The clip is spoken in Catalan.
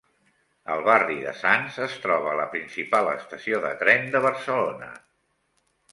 Al barri de Sants es troba la principal estació de tren de Barcelona.